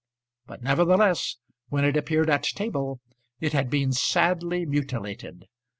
But nevertheless when it appeared at table it had been sadly mutilated.